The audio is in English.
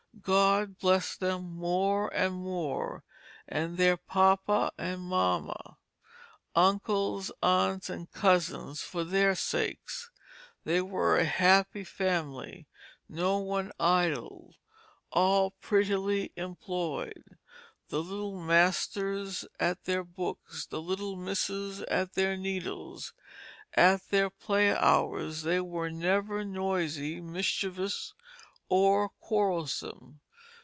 God blessed them more and more, and their Papa, Mama, Uncles, Aunts and Cousins for their Sakes. They were a happy Family, no one idle; all prettily employed, the little Masters at their Books, the little Misses at their Needles. At their Play hours they were never noisy, mischievous or quarrelsome.